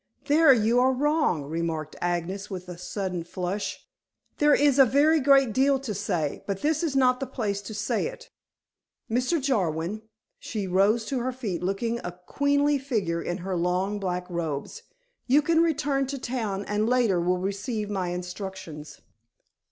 "There you are wrong," remarked Agnes with a sudden flush. "There is a very great deal to say, but this is not the place to say it. Mr. Jarwin," she rose to her feet, looking a queenly figure in her long black robes, "you can return to town and later will receive my instructions."